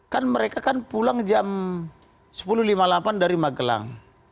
kan mereka kan pulang jam sepuluh lima puluh delapan dari magelang